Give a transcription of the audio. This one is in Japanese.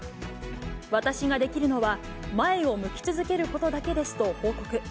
私ができるのは、前を向き続けることだけですと報告。